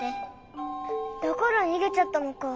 だからにげちゃったのか。